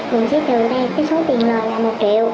mình sẽ trừ đây cái số tiền lời là một triệu